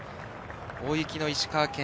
大雪の石川県。